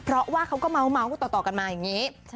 เพราะว่าเขาก็เมาส์ต่อกันมาอย่างนี้